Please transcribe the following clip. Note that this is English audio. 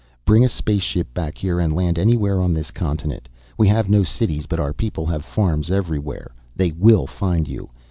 Bring a spaceship back here and land anywhere on this continent. We have no cities, but our people have farms everywhere, they will find you.